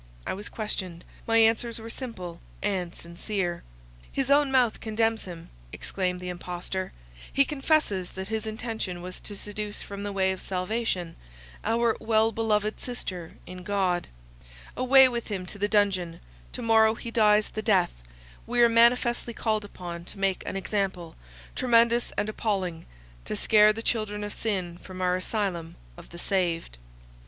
I was questioned. My answers were simple and sincere. "His own mouth condemns him," exclaimed the impostor; "he confesses that his intention was to seduce from the way of salvation our well beloved sister in God; away with him to the dungeon; to morrow he dies the death; we are manifestly called upon to make an example, tremendous and appalling, to scare the children of sin from our asylum of the saved."